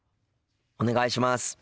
お願いします！